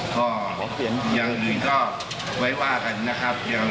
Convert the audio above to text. ก็ยังหนึ่งก็ไว้ว่างันนะครับ